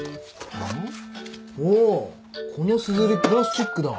おおこのすずりプラスチックだ。